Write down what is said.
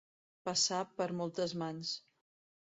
Passar per moltes mans.